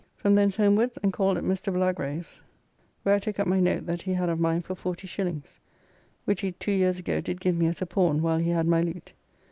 From thence homewards, and called at Mr. Blagrave's, where I took up my note that he had of mine for 40s., which he two years ago did give me as a pawn while he had my lute.